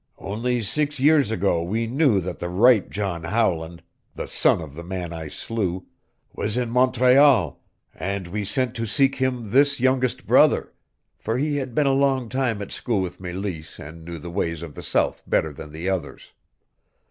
Only six years ago we knew that the right John Howland the son of the man I slew was in Montreal, and we sent to seek him this youngest brother, for he had been a long time at school with Meleese and knew the ways of the South better than the others.